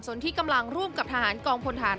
ส่วนที่กำลังร่วมกับทหารกองพลฐาน